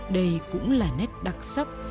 đây cũng là nét đặc sắc